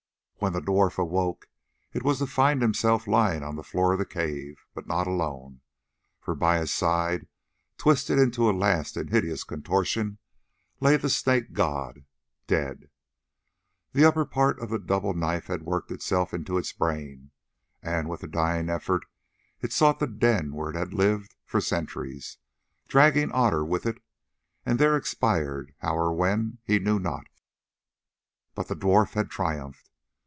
When the dwarf awoke it was to find himself lying on the floor of the cave, but not alone, for by his side, twisted into a last and hideous contortion, lay the Snake god—dead! The upper part of the double knife had worked itself into its brain, and, with a dying effort, it sought the den where it had lived for centuries, dragging Otter with it, and there expired, how or when he knew not. But the dwarf had triumphed.